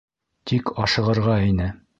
Тик ашығырға ине...